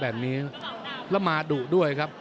แล้วมาดูด้วยครับ